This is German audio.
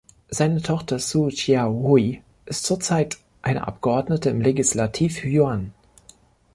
Seine Tochter Su Chiao-hui ist zurzeit eine Abgeordnete im Legislativ-Yuan.